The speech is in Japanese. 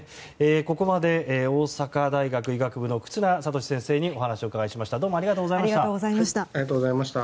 ここまで大阪大学医学部の忽那賢志先生にお話を伺いました。